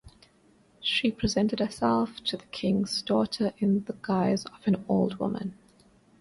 She presented herself to the king's daughters in the guise of an old woman.